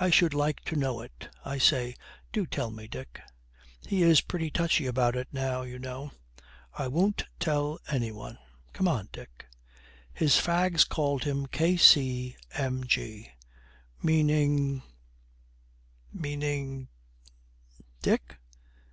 'I should like to know it. I say, do tell me, Dick.' 'He is pretty touchy about it now, you know.' 'I won't tell any one. Come on, Dick.' 'His fags called him K.C.M.G.' 'Meaning, meaning, Dick?'